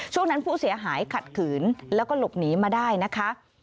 ช่วงนั้นผู้เสียหายขัดขืนแล้วก็หลบหนีมาได้นะคะ